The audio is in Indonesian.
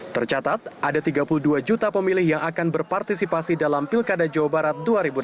tercatat ada tiga puluh dua juta pemilih yang akan berpartisipasi dalam pilkada jawa barat dua ribu delapan belas